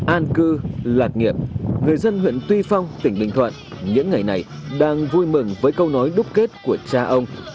an cư lạc nghiệp người dân huyện tuy phong tỉnh bình thuận những ngày này đang vui mừng với câu nói đúc kết của cha ông